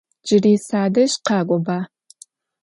Cıri sadej khak'oba!